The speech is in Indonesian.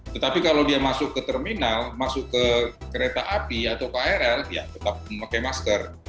tetapi kalau dia masuk ke terminal masuk ke kereta api atau krl ya tetap memakai masker